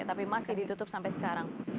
tapi masih ditutup sampai sekarang